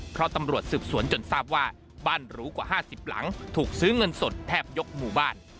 เพราะตำรวจสืบสวนจนทราบว่าบ้านหรูกว่า๕๐หลังถูกซื้อเงินสดแทบยกหมู่บ้าน